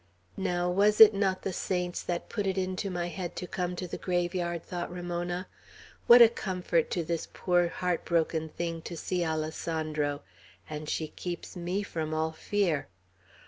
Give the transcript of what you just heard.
"Now, was it not the saints that put it into my head to come to the graveyard?" thought Ramona. "What a comfort to this poor heart broken thing to see Alessandro! And she keeps me from all fear.